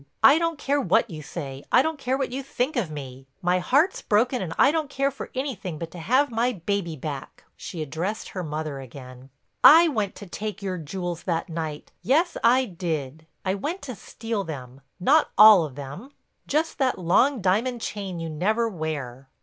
I don't care what you say, I don't care what you think of me—my heart's broken and I don't care for anything but to have my baby back." She addressed her mother again. "I went to take your jewels that night. Yes, I did; I went to steal them—not all of them—just that long diamond chain you never wear.